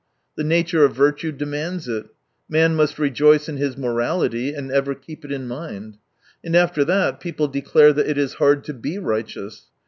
The nature of virtue demands it : man must rejoice in his niorality and ever keep it in mind. And after that, people declare that it is hard to be righteous.